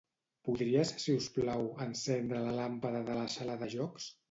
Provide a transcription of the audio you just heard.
Podries, si us plau, encendre la làmpada de la sala de jocs.